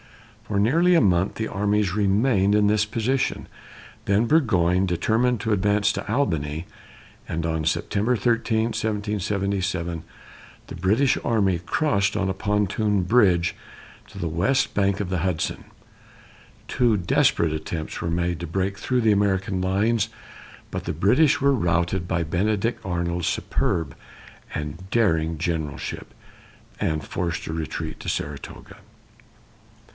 For nearly a month the armies remained in this position; then Burgoyne determined to advance to Albany, and on September 13, 1777, the British army crossed on a pontoon bridge to the west bank of the Hudson. Two desperate attempts were made to break through the American lines, but the British were routed by Benedict Arnold's superb and daring generalship, and forced to retreat to Saratoga.